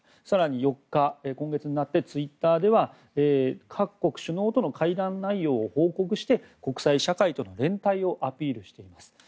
更に、４日、今月になってツイッターでは各国首脳との会談内容を報告して国際社会との連帯をアピールしています。